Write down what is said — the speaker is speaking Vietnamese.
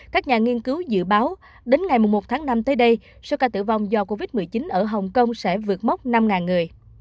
các nhà nghiên cứu dự báo đến ngày một tháng năm tới đây số ca tử vong do covid một mươi chín ở hồng kông sẽ vượt mốc năm người